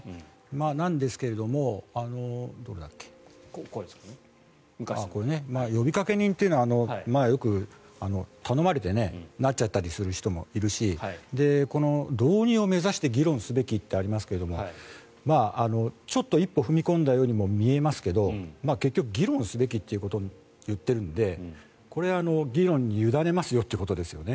なんですけども呼びかけ人というのはよく頼まれてなっちゃったりする人もいるし導入を目指して議論すべきってありますけれどちょっと一歩踏み込んだようにも見えますけども結局、議論すべきということを言っているのでこれは議論に委ねますよということですよね。